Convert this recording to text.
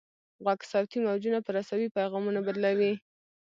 غوږ صوتي موجونه پر عصبي پیغامونو بدلوي.